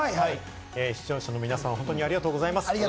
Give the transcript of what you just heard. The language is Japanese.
視聴者の皆さん、本当にありがとうございます。